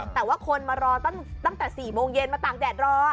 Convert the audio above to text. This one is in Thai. แต่ว่าคนมารอตั้งแต่๔โมงเย็นมาตากแดดรอ